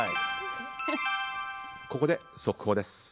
ここで速報です。